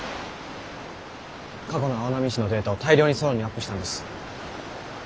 過去の青波市のデータを大量にソロンにアップしたんです。